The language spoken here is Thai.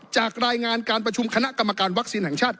จากรายงานการประชุมคณะกรรมการวัคซีนแห่งชาติ